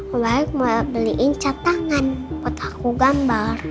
aku baik mau beliin cat tangan buat aku gambar